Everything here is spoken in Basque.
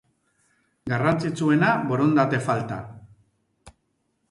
Garrantzitsuena, borondate falta.